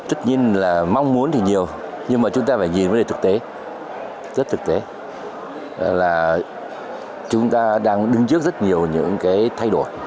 tất nhiên là mong muốn thì nhiều nhưng mà chúng ta phải nhìn về thực tế rất thực tế là chúng ta đang đứng trước rất nhiều những cái thay đổi